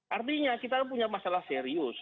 artinya kita punya masalah serius